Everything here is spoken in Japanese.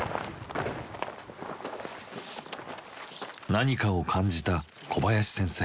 何かを感じた小林先生。